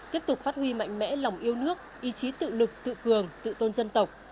tiếp tục phát huy mạnh mẽ lòng yêu nước ý chí tự lực tự cường tự tôn dân tộc